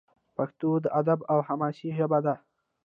پښتو د ادب او حماسې ژبه ده.